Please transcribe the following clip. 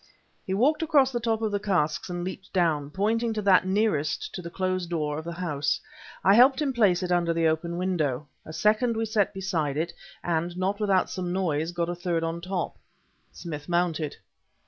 He walked across the tops of the casks and leaped down, pointing to that nearest to the closed door of the house. I helped him place it under the open window. A second we set beside it, and, not without some noise, got a third on top. Smith mounted.